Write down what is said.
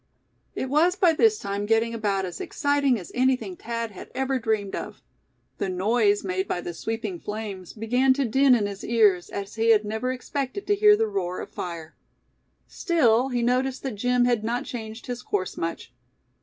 It was by this time getting about as exciting as anything Thad had ever dreamed of. The noise made by the sweeping flames began to din in his ears as he had never expected to hear the roar of fire. Still, he noticed that Jim had not changed his course much.